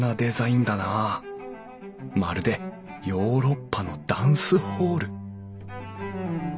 まるでヨーロッパのダンスホール！